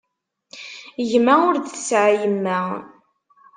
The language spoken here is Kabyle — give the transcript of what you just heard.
Gma ur d-tesɛi yemma.